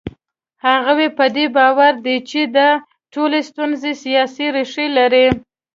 هغوی په دې باور دي چې دا ټولې ستونزې سیاسي ریښې لري.